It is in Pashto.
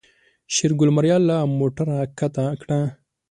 شېرګل ماريا له موټره کښته کړه.